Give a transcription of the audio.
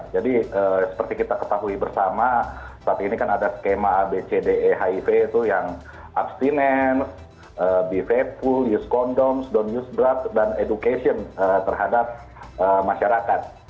jadi seperti kita ketahui bersama saat ini kan ada skema abcde hiv itu yang abstinens be faithful use condoms don't use drugs dan education terhadap masyarakat